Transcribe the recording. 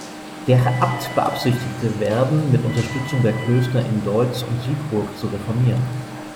Der Abt beabsichtigte Werden mit Unterstützung der Klöster in Deutz und Siegburg zu reformieren.